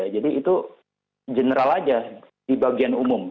jadi itu general saja di bagian umum